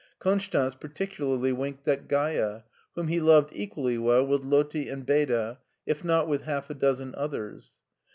Konstanz particularly winked at Gaiya, whom he loved equally well with Lottie and Beda, if not with half a dozen others.